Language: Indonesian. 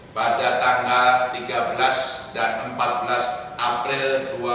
pada tanggal tiga belas dan empat belas april dua ribu dua puluh